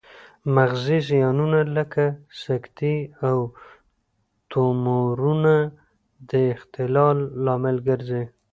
مغزي زیانونه لکه سکتې او تومورونه د اختلال لامل ګرځي